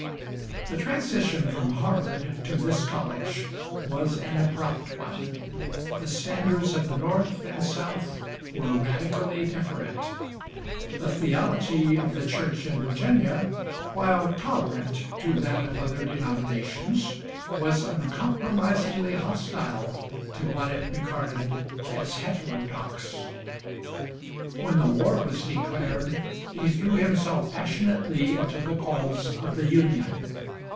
The transition from Harvard to this college was an abrupt one. The standards of the North and South were radically different. The theology of the Church in Virginia, while tolerant to that of other denominations, was uncompromisingly hostile to what it regarded as heterodox. When the War was declared he threw himself passionately into the cause of the Union.